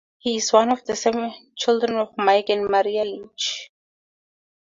He is one of the seven children of Mike and Marian Ilitch.